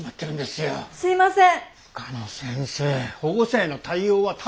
はいすいません。